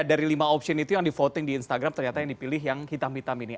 dari lima option itu yang di voting di instagram ternyata yang dipilih yang hitam hitam ini